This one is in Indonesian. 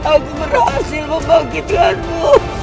aku berhasil membangkitkanmu